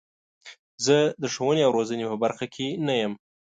زه د ښوونې او روزنې په برخه کې نه یم.